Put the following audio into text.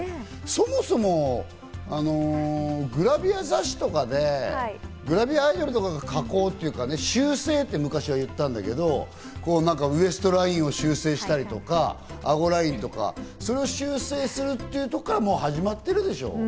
そもそも、グラビア雑誌とかでグラビアアイドルとかが加工というか修正って昔は言ったんだけど、ウエストラインを修正したりとか、顎ラインとか、それを修正するというところから、もう始まってるでしょう。